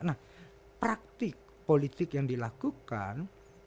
nah praktik politik yang dilakukan